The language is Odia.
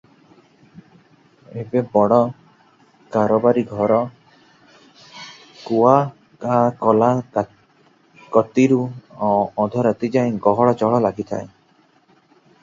ଏଡେ ବଡ କାରବାରୀ ଘର, କୁଆ କା କଲା କତିରୁ ଅଧରାତିଯାଏ ଗହଳ ଚହଳ ଲାଗିଥାଏ ।